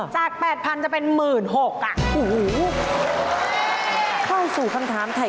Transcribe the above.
จาก๘๐๐๐จะเป็น๑๖๐๐๐บาท